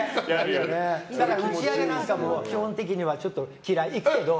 打ち上げなんかも基本的には嫌い、行くけど。